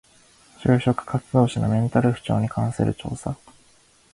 就職活動時のメンタル不調に関する調査